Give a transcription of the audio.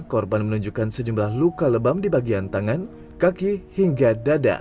korban menunjukkan sejumlah luka lebam di bagian tangan kaki hingga dada